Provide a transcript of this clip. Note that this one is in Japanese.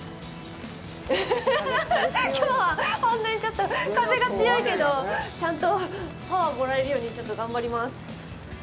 ウフフフフフ、きょうは本当にちょっと風が強いけど、ちゃんとパワーをもらえるように頑張ります。